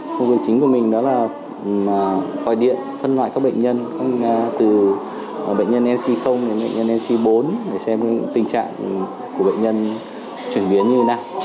công việc chính của mình đó là gọi điện phân loại các bệnh nhân từ bệnh nhân nc đến bệnh nhân ec bốn để xem tình trạng của bệnh nhân chuyển biến như thế nào